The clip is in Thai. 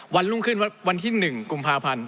วันรุ่งขึ้นวันที่๑กุมภาพันธ์